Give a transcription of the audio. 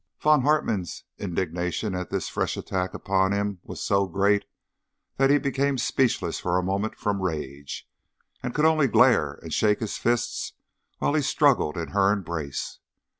Von Hartmann's indignation at this fresh attack upon him was so great that he became speechless for a minute from rage, and could only glare and shake his fists, while he struggled in her embrace.